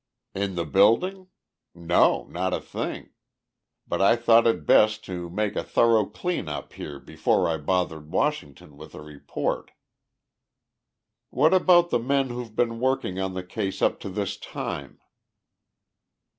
"In the building? No, not a thing. But I thought it best to make a thorough clean up here before I bothered Washington with a report." "What about the men who've been working on the case up to this time?"